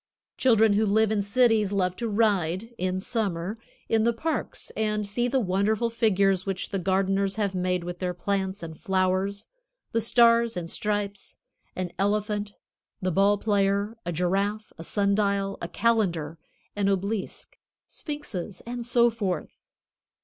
Children who live in cities love to ride, in summer, in the parks and see the wonderful figures which the gardeners have made with their plants and flowers, the stars and stripes, an elephant, the ball player, a giraffe, a sun dial, a calendar, an obelisk, sphinxes, and so forth.